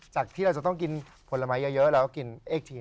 จากที่เราจะต้องกินผลไม้เยอะแล้วก็กินเอ็กที